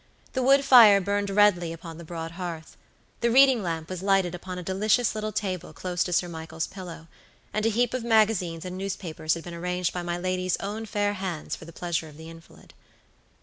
The wood fire burned redly upon the broad hearth. The reading lamp was lighted upon a delicious little table close to Sir Michael's pillow, and a heap of magazines and newspapers had been arranged by my lady's own fair hands for the pleasure of the invalid.